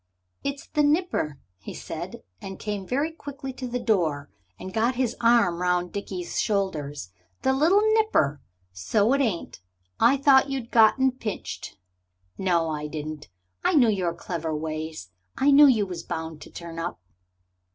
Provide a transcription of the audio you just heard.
"It's the nipper!" he said; and came very quickly to the door and got his arm round Dickie's shoulders. "The little nipper, so it ain't! I thought you'd got pinched. No, I didn't, I knew your clever ways I knew you was bound to turn up."